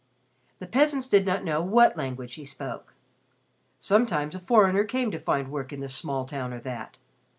The peasants did not know what language he spoke. Sometimes a foreigner came to find work in this small town or that.